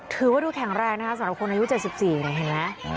ถือว่าดูแข็งแรงนะคะสำหรับคนอายุ๗๔เนี่ยเห็นไหม